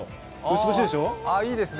美しいでしょう？